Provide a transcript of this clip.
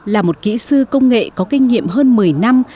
là một kỹ sư công nghệ có kinh nghiệm hơn một mươi năm